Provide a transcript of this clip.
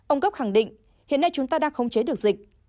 ông cấp khẳng định hiện nay chúng ta đang không chế được dịch